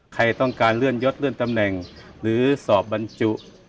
ใครต้องการเลื่อนยดเลื่อนตำแหน่งหรือสอบบรรจุ